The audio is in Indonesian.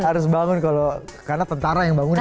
harus bangun kalau karena tentara yang bangunan